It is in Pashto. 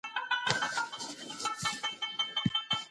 له کروندې تر دسترخانه پورې.